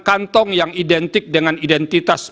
kantong yang identik dengan identitas